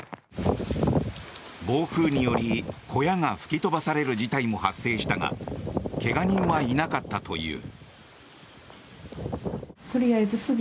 暴風により小屋が吹き飛ばされる事態も発生したが怪我人はいなかったという。